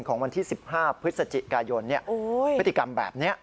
ของวันที่๑๕พฤศจิกายนพฤติกรรมแบบนี้